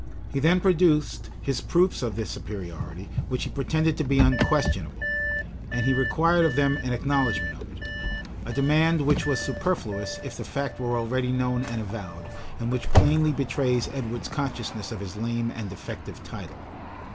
He then produced his proofs of this superiority, which he pretended to be unquestionable, and he required of them an acknowledgment of it; a demand which was superfluous if the fact were already known and avowed, and which plainly betrays Edward's consciousness of his lame and defective title.